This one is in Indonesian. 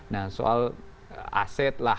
nah soal aset lah